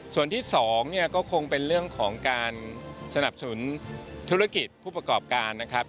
ส่วนที่๒เนี่ยก็คงเป็นเรื่องของการสนับสนุนธุรกิจผู้ประกอบการนะครับ